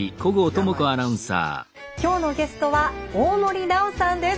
今日のゲストは大森南朋さんです。